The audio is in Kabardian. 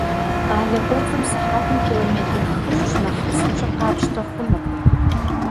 Къалэ кӏуэцӏым сыхьэтым километр хыщӏ нэхъ псынщӏэ къапщтэ хъунукъым.